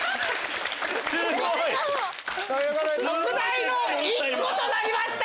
すごい！特大の１個となりました。